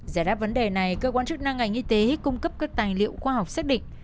giải đáp vấn đề này cơ quan chức năng ngành y tế cung cấp các tài liệu khoa học xác định